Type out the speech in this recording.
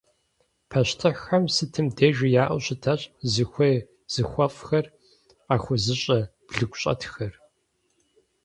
Пащтыхьхэм сытым дежи яӀэу щытащ зыхуей-зыхуэфӀхэр къахуэзыщӀэ блыгущӀэтхэр.